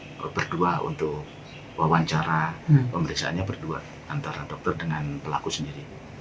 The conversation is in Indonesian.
jadi saya sudah berdua untuk wawancara pemeriksaannya berdua antara dokter dengan pelaku sendiri